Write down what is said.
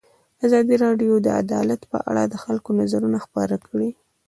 ازادي راډیو د عدالت په اړه د خلکو نظرونه خپاره کړي.